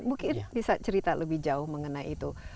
mungkin bisa cerita lebih jauh mengenai itu